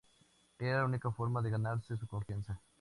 Era la única forma de ganarse su confianza.